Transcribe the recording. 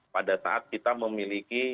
pada saat kita memiliki